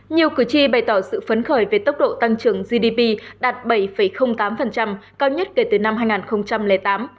nhiều cử tri bày tỏ sự phấn khởi về tốc độ tăng trưởng gdp đạt bảy tám cao nhất kể từ năm hai nghìn tám